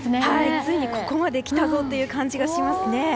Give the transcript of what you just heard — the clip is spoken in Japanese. ついにここまで来たぞという感じがしますね。